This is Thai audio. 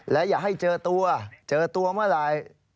และอย่าให้เจอตัวเจอตัวเมื่อไหร่